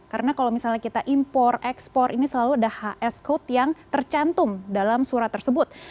karena kalau misalnya kita impor ekspor ini selalu ada hs code yang tercantum dalam surat tersebut